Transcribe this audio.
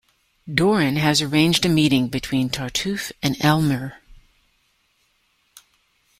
Dorine has arranged a meeting between Tartuffe and Elmire.